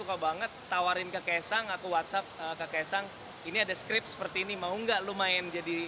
dengan kemunculan putra